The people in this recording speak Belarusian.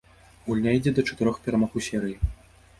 Гульня ідзе да чатырох перамог у серыі.